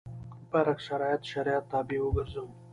برعکس شرایط شریعت تابع وګرځوو.